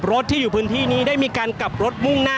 ก็น่าจะมีการเปิดทางให้รถพยาบาลเคลื่อนต่อไปนะครับ